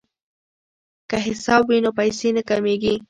که حساب وي نو پیسې نه کمیږي.